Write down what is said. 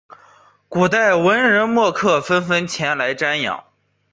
古代文人墨客纷纷前来瞻仰。